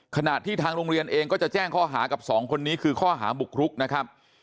ขณะที่ทางโรงเรียนเองก็จะแจ้งข้อหากับสองคนนี้คือข้อหาบุกรุกนะครับ